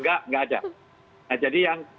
enggak enggak ada nah jadi yang